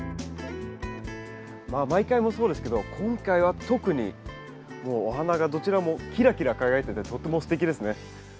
まあ毎回もうそうですけど今回は特にもうお花がどちらもキラキラ輝いててとってもすてきですね。